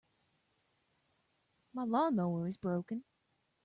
My lawn-mower is broken.